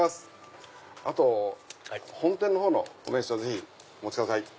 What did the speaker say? あと本店の方のお名刺をぜひお持ちください。